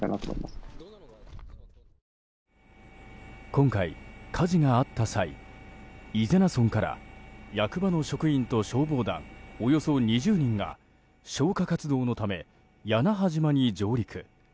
今回、火事があった際伊是名村から役場の職員と消防団およそ２０人が消火活動のため屋那覇島に上陸。